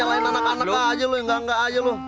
kalahin anak anak lu aja lu yang gangga aja lu